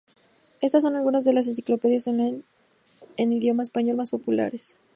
Estas son algunas de las enciclopedias online en idioma español más populares.